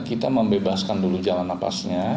kita membebaskan dulu jalan nafasnya